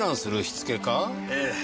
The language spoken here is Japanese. ええ。